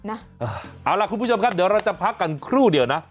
เอาล่ะคุณผู้ชมครับเดี๋ยวเราจะพักกันครู่เดียวนะ